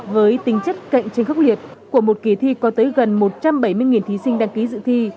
với tính chất cạnh tranh khốc liệt của một kỳ thi có tới gần một trăm bảy mươi thí sinh đăng ký dự thi